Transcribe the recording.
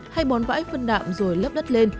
hay bón vãi phân đạm rồi lấp đất lên